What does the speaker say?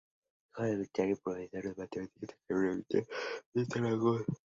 Hijo de militar y profesor de matemáticas de la Academia Militar de Zaragoza.